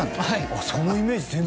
はいそのイメージ